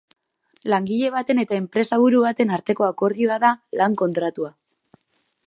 Langile baten eta enpresaburu baten arteko akordioa da lan kontratua.